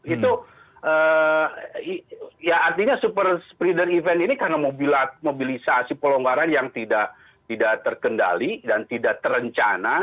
itu ya artinya super spreader event ini karena mobilisasi pelonggaran yang tidak terkendali dan tidak terencana